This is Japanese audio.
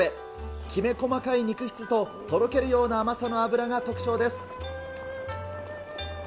きめ細かい肉質と、とろけるような甘さの脂が特長です。